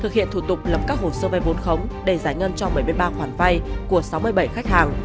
thực hiện thủ tục lập các hồ sơ vay vốn khống để giải ngân cho bảy mươi ba khoản vay của sáu mươi bảy khách hàng